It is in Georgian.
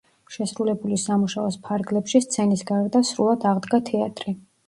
შესრულებული სამუშაოს ფარგლებში სცენის გარდა სრულად აღდგა თეატრი.